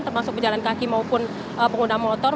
termasuk pejalan kaki maupun pengguna motor